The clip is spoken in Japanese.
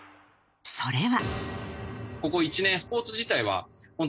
それは。